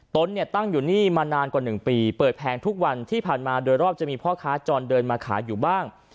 เนี่ยตั้งอยู่นี่มานานกว่า๑ปีเปิดแพงทุกวันที่ผ่านมาโดยรอบจะมีพ่อค้าจรเดินมาขายอยู่บ้าง